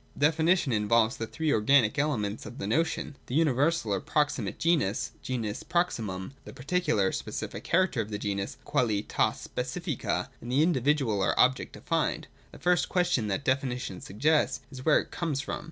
Definition involves the three organic elements of the notion : the universal or proximate genus [genus proximum), the particular or specific character of the genus (qualitas specifica), and the individual, or object defined. — The first question that definition suggests, is where it comes from.